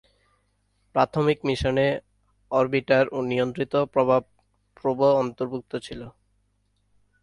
প্রাথমিক মিশনে অরবিটার ও নিয়ন্ত্রিত প্রভাব প্রোব অন্তর্ভুক্ত ছিল।